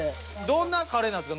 どんなカレーなんですか？